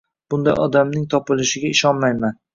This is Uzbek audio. bunday odamning topilishiga ishonmayman.